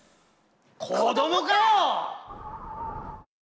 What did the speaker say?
子供かよ！